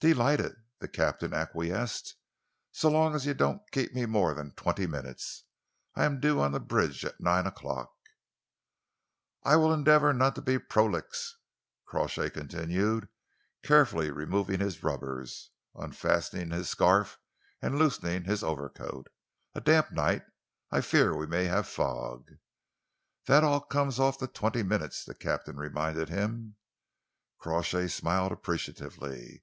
"Delighted," the captain acquiesced, "so long as you don't keep me more than twenty minutes. I am due on the bridge at nine o'clock." "I will endeavour not to be prolix," Crawshay continued, carefully removing his rubbers, unfastening his scarf and loosening his overcoat. "A damp night! I fear that we may have fog." "This all comes off the twenty minutes," the captain reminded him. Crawshay smiled appreciatively.